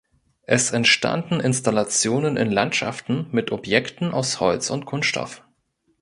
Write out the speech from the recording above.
Es entstanden Installationen in Landschaften mit Objekten aus Holz und Kunststoff.